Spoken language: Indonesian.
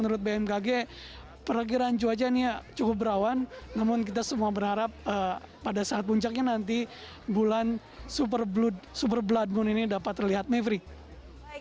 terima kasih banyak banyak atas laporan anda itu tadi laporan langsung dari bandung